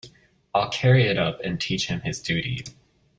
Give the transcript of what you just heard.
I'll carry it up, and teach him his duty.